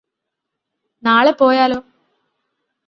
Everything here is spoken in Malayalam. നാളെ പോയാലോ?